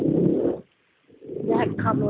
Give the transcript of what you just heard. ที่อ๊อฟวัย๒๓ปี